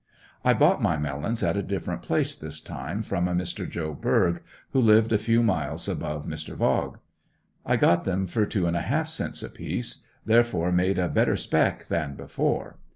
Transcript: I bought my melons at a different place this time, from a Mr. Joe Berge who lived a few miles above Mr. Vogg. I got them for two and a half cents a piece, therefore made a better "speck" than before.